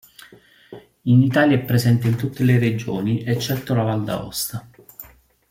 In Italia è presente in tutte le regioni eccetto la Val d'Aosta.